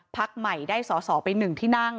พักใหม่ได้สอเป็นหนึ่งที่นั่ง